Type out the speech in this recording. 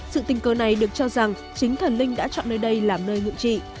sự tình cờ này được cho rằng chính thần linh đã chọn nơi đây làm nơi ngưỡng trị